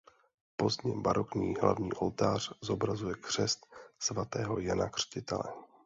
Pozdně barokní hlavní oltář zobrazuje křest svatého Jana Křtitele.